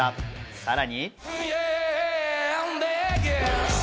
さらに。